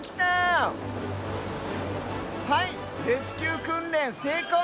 はいレスキューくんれんせいこう！